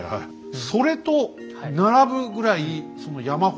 それと並ぶぐらいその「山法師」。